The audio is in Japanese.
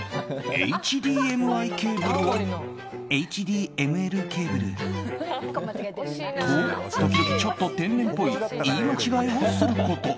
ＨＤＭＩケーブルをＨＤＭＬケーブルと時々ちょっと天然っぽい言い間違えをすること。